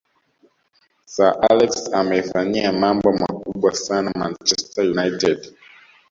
sir alex ameifanyia mambo makubwa sana manchester united